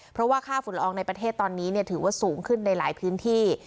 เพราะว่าค่าฝุ่นละอองในประเทศตอนนี้ถือว่าสูงขึ้นในหลายพื้นที่